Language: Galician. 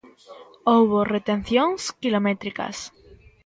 Houbo retencións quilométricas.